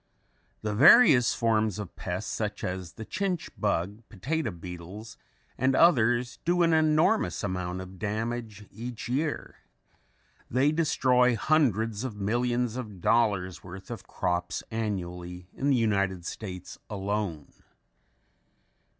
The various forms of pests such as the chinch bug, potato beetles, and others do an enormous amount of damage each year. They destroy hundreds of millions of dollars worth of crops annually in the United States alone.